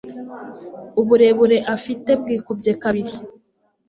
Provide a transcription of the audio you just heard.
uburebure afite bwikubye kabiri